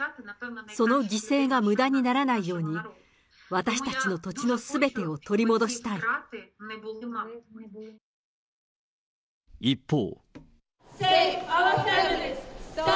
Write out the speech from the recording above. その犠牲がむだにならないように、私たちの土地のすべてを取り戻し一方。